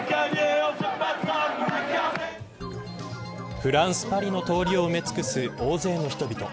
フランス、パリの通りを埋め尽くす大勢の人々。